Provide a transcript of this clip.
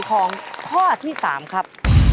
ของข้อที่๓ครับ